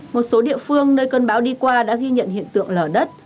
một số địa phương nơi cơn bão đi qua đã ghi nhận hiện tượng lở đất